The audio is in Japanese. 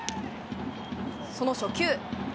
その初球。